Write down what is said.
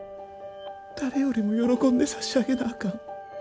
誰よりも喜んで差し上げなあかん。